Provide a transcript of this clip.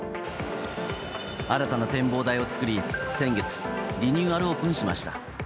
新たな展望台を作り、先月リニューアルオープンしました。